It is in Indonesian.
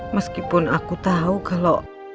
meskipun aku tahu kalau